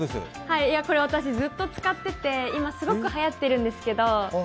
これ私ずっと使ってて今すごくはやってるんですけど。